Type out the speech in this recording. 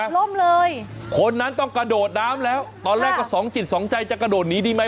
ล่มเลยคนนั้นต้องกระโดดน้ำแล้วตอนแรกก็สองจิตสองใจจะกระโดดหนีดีไหม